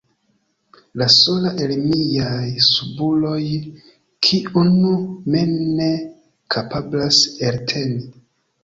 La sola el miaj subuloj, kiun mi ne kapablas elteni.